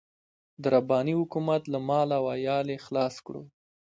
د رباني حکومت له مال او عيال يې خلاص کړو.